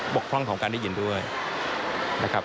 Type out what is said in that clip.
กพร่องของการได้ยินด้วยนะครับ